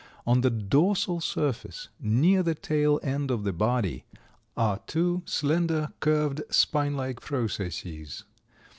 On the dorsal surface, near the tail end of the body, are two slender, curved, spine like processes.